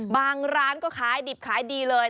ร้านก็ขายดิบขายดีเลย